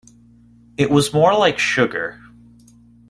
It was more like sugar.